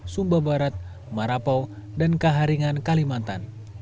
sumba barat marapau dan kaharingan kalimantan